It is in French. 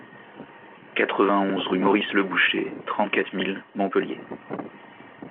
quatre-vingt-onze rue Maurice Le Boucher, trente-quatre mille Montpellier